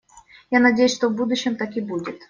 Я надеюсь, что в будущем так и будет.